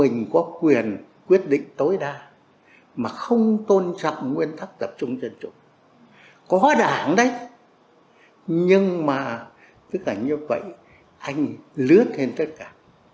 nhưng mà tất cả như vậy anh lướt lên tất cả